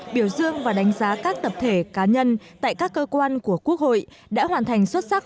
biểu dương và đánh giá các tập thể cá nhân tại các cơ quan của quốc hội đã hoàn thành xuất sắc